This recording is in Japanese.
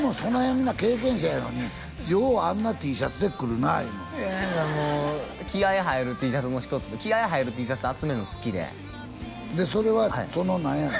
みんな経験者やのにようあんなＴシャツで来るな言うの何かもう気合入るＴシャツの一つで気合入るＴシャツ集めるの好きででそれはその何やの？